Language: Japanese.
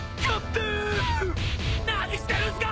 何してるんすか！？